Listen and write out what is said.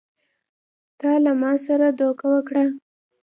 تا له ما سره دوکه وکړه!